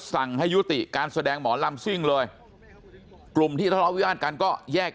สั่งให้ยุติการแสดงหมอลำซิ่งเลยกลุ่มที่ทะเลาะวิวาสกันก็แยก